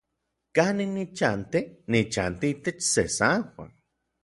¿Kanin nichanti? Nichanti itech se San Juan.